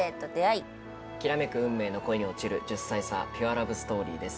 きらめく運命の恋に落ちる１０歳差ピュアラブストーリーです。